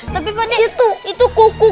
tapi pade itu kuku